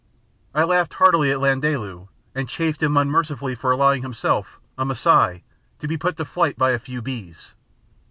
I laughed heartily at Landaalu, and chaffed him unmercifully for allowing himself, a Masai, to be put to flight by a few bees.